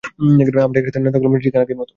আমরা একসাথে নাস্তা করলাম, ঠিক আগের মতো।